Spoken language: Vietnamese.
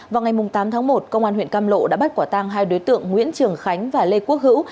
vào ngày tám tháng một công an huyện cam lộ đã bắt quả tang hai đối tượng nguyễn trường khánh và lê quốc hữu